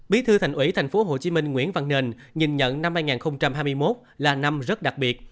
bí thư thành ủy tp hcm nguyễn văn nền nhìn nhận năm hai nghìn hai mươi một là năm rất đặc biệt